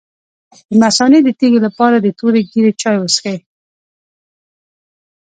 د مثانې د تیږې لپاره د تورې ږیرې چای وڅښئ